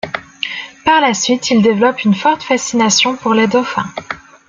Par la suite, il développe une forte fascination pour les dauphins.